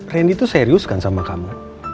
randy itu serius kan sama kamu